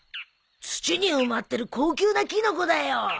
土に埋まってる高級なキノコだよ。